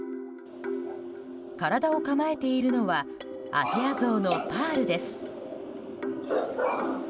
体を構えているのはアジアゾウのパールです。